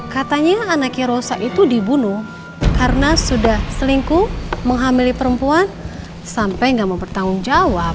katanya anaknya rosa itu dibunuh karena sudah selingkuh menghamili perempuan sampai nggak mau bertanggung jawab